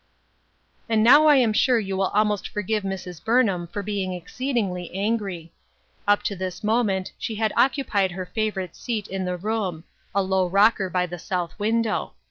And now I am sure you will almost forgive Mrs. Burnham for being exceedingly angry. Up to this moment she had occupied her favorite seat in the room — a low rocker by the south window —" FOREWARNED " AND " FOREARMED."